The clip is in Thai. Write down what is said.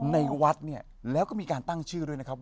ในวัดเนี่ยแล้วก็มีการตั้งชื่อด้วยนะครับ